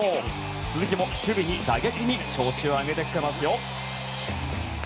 鈴木も守備に打撃に調子を上げてきています。